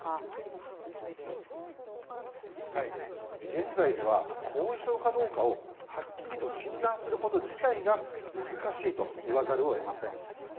現在では後遺症かどうかをはっきりと診断すること自体が難しいと言わざるをえません。